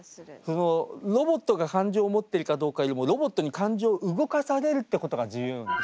そのロボットが感情を持ってるかどうかよりもロボットに感情を動かされるってことが重要なんだ。